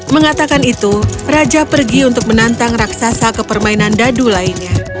mengatakan itu raja pergi untuk menantang raksasa ke permainan dadu lainnya